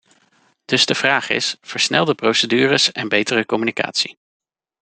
Dus de vraag is: versnelde procedures en betere communicatie.